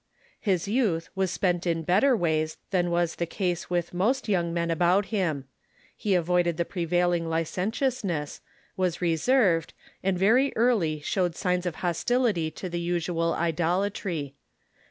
His youth was spent in better ways than was the case with most young men about him. He avoided the pre vailing licentiousness, was reserved, and very early showed signs of hostility to the usual idolatry.